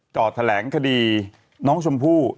จอดแถลงคดีน้องชมพู่